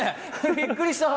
びっくりした！